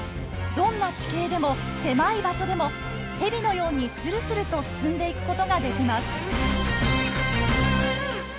どんな地形でも狭い場所でもヘビのようにスルスルと進んでいくことができます。